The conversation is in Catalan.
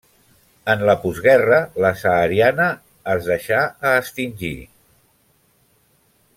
En la postguerra la sahariana es deixà a extingir.